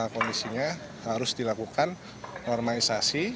kondisinya harus dilakukan normalisasi